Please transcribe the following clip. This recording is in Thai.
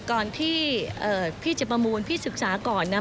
ก่อนที่พี่จะประมูลพี่ศึกษาก่อนนะ